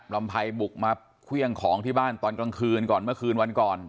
ลำไพรบุกมาเครื่องของที่บ้านตอนกลางคืนก่อนเมื่อคืนวันก่อน